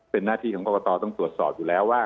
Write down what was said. เป็นหน้าที่ของกรกตต้องตรวจสอบอยู่แล้วว่า